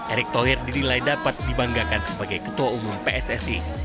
erik thoyer dirilai dapat dibanggakan sebagai ketua umum pssi